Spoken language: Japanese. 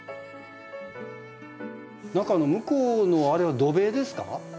何か向こうのあれは土塀ですか？